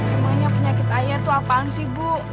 emangnya penyakit ayah itu apaan sih bu